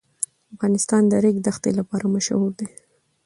افغانستان د ریګ دښتې لپاره مشهور دی.